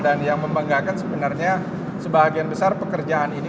dan yang membanggakan sebenarnya sebagian besar pekerjaan ini